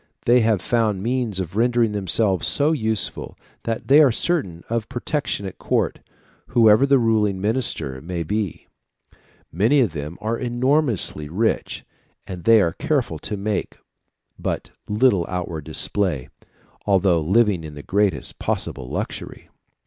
They have found means of rendering themselves so useful, that they are certain of protection at court, whoever the ruling minister may be. Many of them are enormously rich, but they are careful to make but little outward display, although living in the greatest possible luxury."